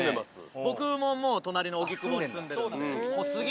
僕も隣の荻窪に住んでるんで。